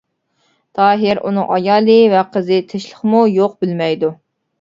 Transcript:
تاھىر ئۇنىڭ ئايالى ۋە قىزى تىنچلىقمۇ يوق بىلمەيدۇ.